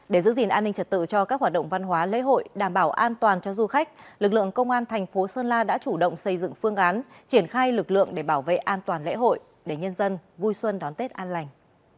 để giữ gìn an ninh trật tự cho các hoạt động văn hóa lễ hội đảm bảo an toàn cho du khách lực lượng công an thành phố sơn la đã chủ động xây dựng phương án triển khai lực lượng để bảo vệ an toàn lễ hội để nhân dân vui xuân đón tết an lành